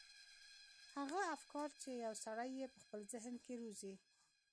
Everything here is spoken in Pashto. هغه افکار چې يو سړی يې په خپل ذهن کې روزي.